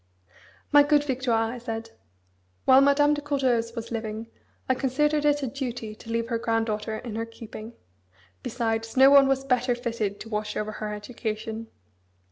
"My good Victoire," I said, "while Madame de Courteheuse was living, I considered it a duty to leave her granddaughter in her keeping. Besides, no one was better fitted to watch over her education.